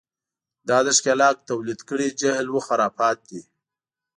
دا د ښکېلاک تولید کړی جهل و خرافات دي.